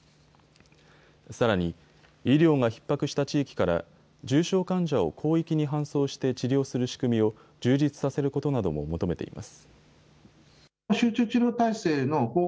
さらに医療がひっ迫した地域から重症患者を広域に搬送して治療する仕組みを充実させることなども求めています。